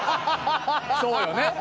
そうよね。